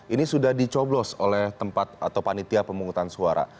ini sudah dicoblos oleh tempat atau panitia pemungutan suara